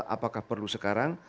apakah perlu sekarang